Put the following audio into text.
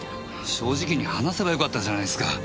正直に話せばよかったじゃないですか。